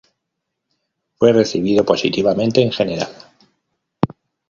Fue recibido positivamente en general.